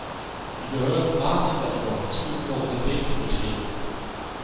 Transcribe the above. Die Behörden warnen davor, zugefrorene Seen zu betreten.